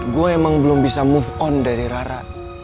gue emang belum bisa move on dari rara